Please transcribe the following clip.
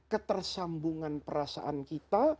ketersambungan perasaan kita